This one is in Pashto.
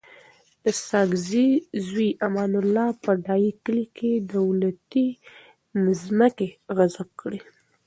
د ساګزی زوی امان الله په ډایی کلی کي دولتي مځکي غصب کړي دي